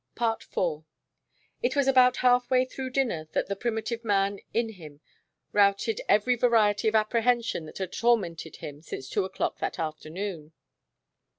IV It was about halfway through dinner that the primitive man in him routed every variety of apprehension that had tormented him since two o'clock that afternoon.